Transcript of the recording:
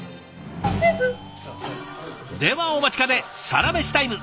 ではお待ちかねサラメシタイム。